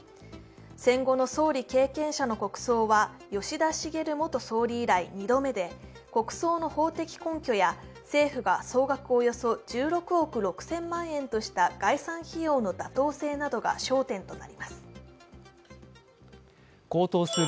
戦後の総理経験者の国葬は吉田茂元総理以来２度目で国葬の法的根拠や政府が総額およそ１６億６０００万円とした概算費用の妥当性などが焦点となります。